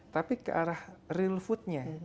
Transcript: tapi ke arah real foodnya